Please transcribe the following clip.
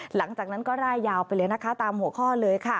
หลังจากนั้นก็ร่ายยาวไปเลยนะคะตามหัวข้อเลยค่ะ